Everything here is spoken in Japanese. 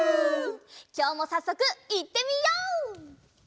きょうもさっそくいってみよう！